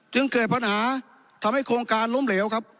เกิดปัญหาทำให้โครงการล้มเหลวครับ